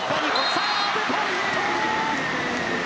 サーブポイント。